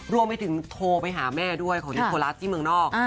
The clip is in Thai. รวมไปถึงโทรไปหาแม่ด้วยของนิโคลัสที่เมืองนอก